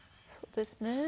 そうですね。